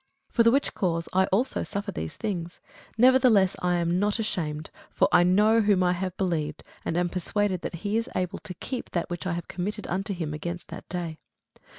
For the which cause I also suffer these things: nevertheless I am not ashamed: for I know whom I have believed, and am persuaded that he is able to keep that which I have committed unto him against that day.